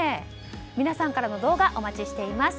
皆さんからの動画お待ちしています。